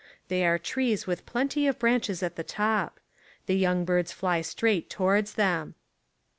They are trees with plenty of branches at the top. The young birds fly straight towards them.